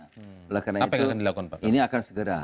oleh karena itu ini akan segera